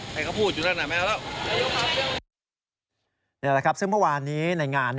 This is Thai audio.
นี่แหละครับซึ่งเมื่อวานนี้ในงาน